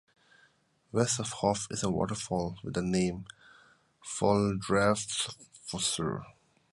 West of Hov is a waterfall with the name Foldarafossur.